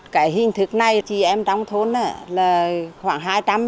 cái hình thức này chị em trong thôn là khoảng hai trăm linh